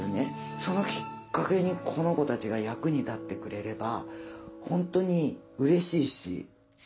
そのきっかけにこの子たちが役に立ってくれれば本当にうれしいし。